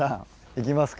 行きますか。